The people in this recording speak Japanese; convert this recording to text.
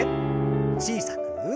小さく。